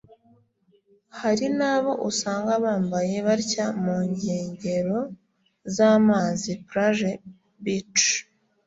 Hari n’abo usanga bambaye batya mu nkengero z’amazi (plage/beach)